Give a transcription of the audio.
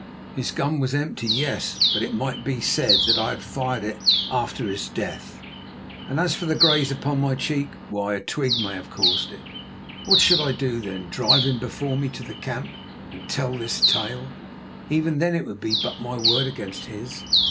His gun was empty; yes, but it might be said that I had fired it after his death. And as for the graze upon my cheek—why, a twig might have caused it. What should I do, then? Drive him before me to the camp, and tell this tale? Even then it would be but my word against his.